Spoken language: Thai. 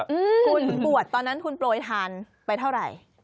คุณถึงบวชตอนนั้นคุณโปรยทานไปเท่าไหร่